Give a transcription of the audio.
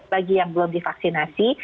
bagi yang belum divaksinasi